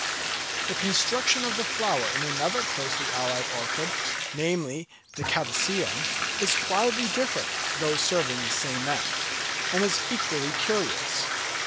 The construction of the flower in another closely allied orchid, namely, the Catasetum, is widely different, though serving the same end; and is equally curious.